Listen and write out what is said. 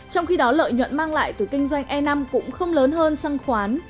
trong khi đó lợi nhuận mang lại từ kinh doanh e năm cũng không lớn hơn sang khoán